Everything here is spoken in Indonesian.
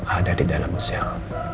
ada di dalam zil